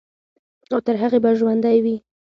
او تر هغې به ژوندے وي،